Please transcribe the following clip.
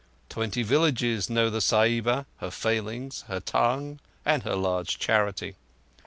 Twenty villages knew the Sahiba—her failings, her tongue, and her large charity.